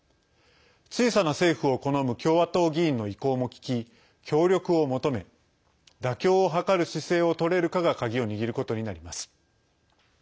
小さな政府を好む共和党議員の意向も聞き、協力を求め妥協を図る姿勢をとれるかがカギを握ることになります。